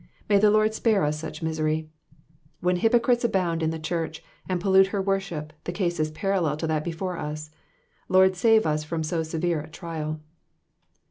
May the Lord spare us such misery. When hypocrites abound in the church, and pollute her worship, the case is parallel to that before us; Lord save us from so severe atrial.